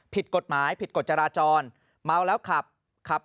ผิดกฎหมายผิดกฎจราจรเมาแล้วขับขับ